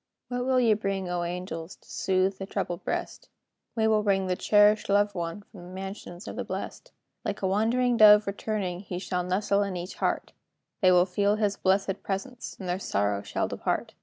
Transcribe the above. What will ye bring, O angels, To soothe the troubled breast? "We will bring the cherished loved one From the mansions of the blest. Like a wandering dove returning, He shall nestle in each heart; They will feel his blesséd presence, And their sorrow shall depart.